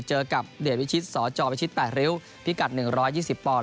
เจอกับเดชวิชิตสจพิชิต๘ริ้วพิกัด๑๒๐ปอนด